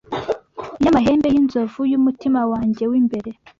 y'amahembe y'inzovu y'umutima wanjye w'imbere